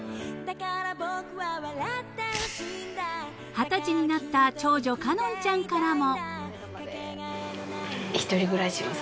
［二十歳になった長女海音ちゃんからも］